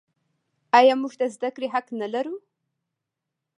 آیا موږ د زده کړې حق نلرو؟